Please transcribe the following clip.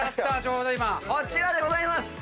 こちらでございます！